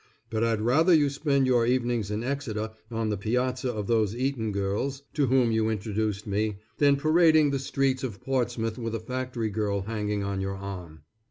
But I'd rather you spent your evenings in Exeter, on the piazza of those Eaton girls to whom you introduced me, than parading the streets of Portsmouth with a factory girl hanging on your arm.